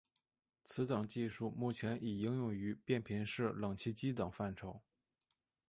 此等技术目前已应用于变频式冷气机等范畴。